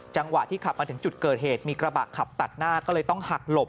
จังหวะที่ขับมาถึงจุดเกิดเหตุมีกระบะขับตัดหน้าก็เลยต้องหักหลบ